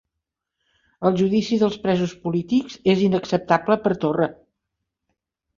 El judici dels presos polítics és inacceptable per Torra